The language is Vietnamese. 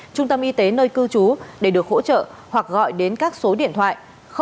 trung tâm y tế nơi cư trú để được hỗ trợ hoặc gọi đến các số điện thoại hai trăm bốn mươi ba tám trăm tám mươi tám